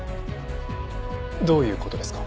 どういう事ですか？